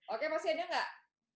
oke masih ada gak